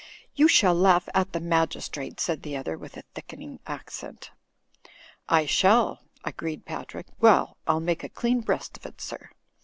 "You shall laugh at the magistrate," said the other, with a thickening accent. "I shall," agreed Patrick. "Well, I'll make a clean breast of it, sir.